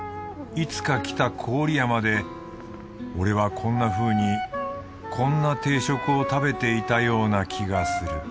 いつか来た郡山で俺はこんなふうにこんな定食を食べていたような気がする